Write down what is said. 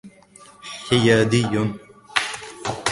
حيادي.